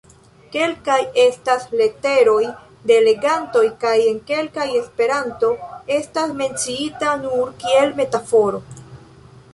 Kelkaj estas leteroj de legantoj, kaj en kelkaj Esperanto estas menciita nur kiel metaforo.